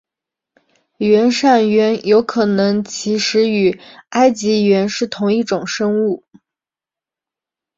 原上猿有可能其实与埃及猿是同一种生物。